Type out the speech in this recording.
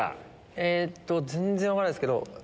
えっと全然分かんないですけど。